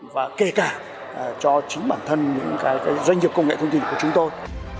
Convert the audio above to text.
và kể cả cho chính bản thân những doanh nghiệp công nghệ thông tin của chúng tôi